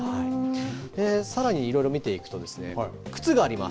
さらに、いろいろ見ていくと、靴があります。